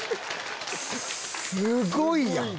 すごいやん！